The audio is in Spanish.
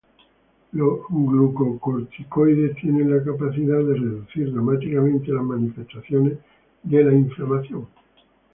Los glucocorticoides tienen la capacidad de reducir dramáticamente las manifestaciones de la inflamación.